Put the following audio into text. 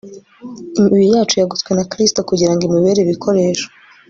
imibiri yacu yaguzwe na kristo kugira ngo imubere ibikoresho